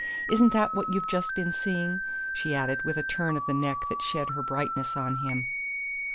Isn't that what you've just been seeing?" she added, with a turn of the neck that shed her brightness on him.